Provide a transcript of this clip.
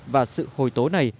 và sự hồi tố này